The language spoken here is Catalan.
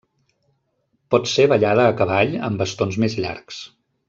Pot ser ballada a cavall, amb bastons més llargs.